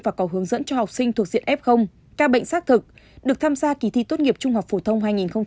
và có hướng dẫn cho học sinh thuộc diện f ca bệnh xác thực được tham gia kỳ thi tốt nghiệp trung học phổ thông hai nghìn hai mươi